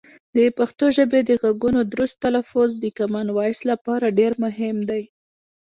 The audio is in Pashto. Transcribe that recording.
د پښتو ژبې د غږونو درست تلفظ د کامن وایس لپاره ډېر مهم دی.